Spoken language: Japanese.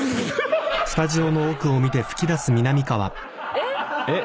えっ⁉えっ？